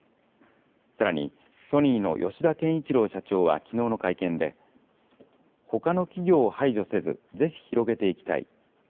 さらにソニーの吉田憲一郎社長はきのうの会見で、ほかの企業を排除せず、ぜひ広げていきたい。